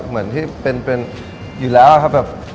เหมือนที่เป็นอยู่แล้วครับแบบ